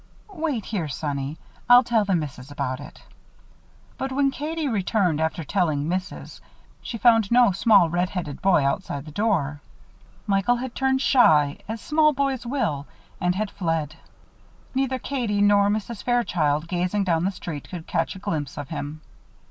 "Wait here, sonny. I'll tell the missus about it." But when Katie returned after telling "Missus," she found no small red headed boy outside the door. Michael had turned shy, as small boys will, and had fled. Neither Katie nor Mrs. Fairchild, gazing down the street, could catch a glimpse of him.